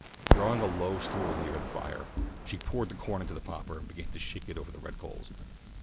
"] Drawing a low stool nearer the fire, she poured the corn into the popper and began to shake it over the red coals.